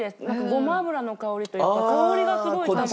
ごま油の香りというか香りがすごい立って。